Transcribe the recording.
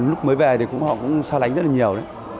lúc mới về thì họ cũng xa lánh rất là nhiều